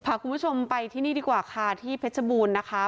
พาคุณผู้ชมไปที่นี่ดีกว่าค่ะที่เพชรบูรณ์นะคะ